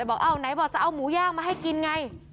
บอกไหนว่าจะเอาหมูยากมาให้กินไง